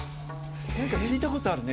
聞いたことあるね